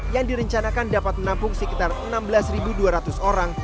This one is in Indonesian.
yang direncanakan dapat menampung sekitar enam belas dua ratus orang